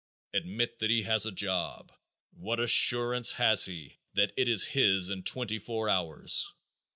Admit that he has a job. What assurance has he that it is his in twenty four hours?